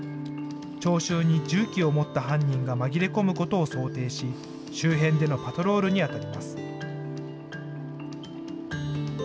聴衆に銃器を持った犯人が紛れ込むことを想定し、周辺でのパトロールに当たります。